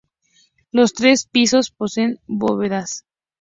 Los tres pisos poseen bóvedas.